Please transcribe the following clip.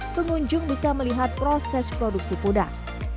pengunjung bisa melihat proses produksi pudang